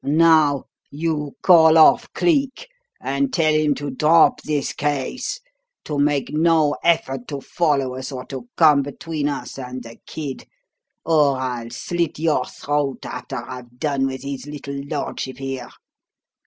Now, you call off Cleek and tell him to drop this case to make no effort to follow us or to come between us and the kid or I'll slit your throat after I've done with his little lordship here.